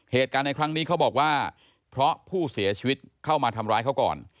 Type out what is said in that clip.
เหตุการณ์ในครั้งนี้เขาบอกว่าเพราะผู้เสียชีวิตเข้ามาทำร้ายเขาก่อน